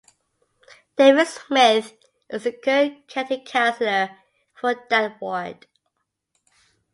David Smith is the current county councillor for that ward.